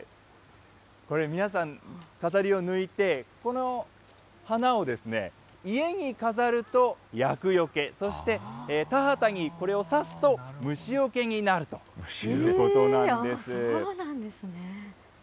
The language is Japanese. これ、皆さん、飾りを抜いて、この花を家に飾ると厄よけ、そして田畑にこれをさすと虫よけになるということなんです。